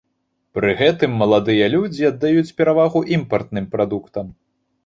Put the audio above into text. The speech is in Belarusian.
Пры гэтым маладыя людзі аддаюць перавагу імпартным прадуктам.